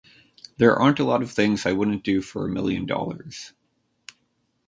There aren't a lot of things I wouldn't do for a million dollars.